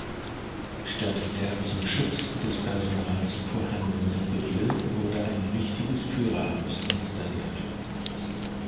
Statt der zum Schutz des Personals vorhandene Brille wurde ein richtiges Führerhaus installiert.